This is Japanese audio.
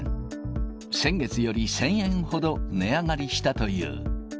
先月より１０００円ほど値上がりしたという。